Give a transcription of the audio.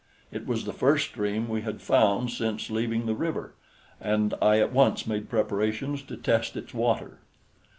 It was the first stream we had found since leaving the river, and I at once made preparations to test its water.